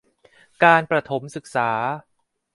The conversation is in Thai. การประถมศึกษา